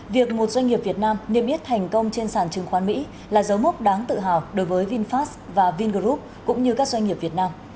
việc một doanh nghiệp việt nam niêm yết thành công trên sàn chứng khoán mỹ là dấu mốc đáng tự hào đối với vinfast và vingroup cũng như các doanh nghiệp việt nam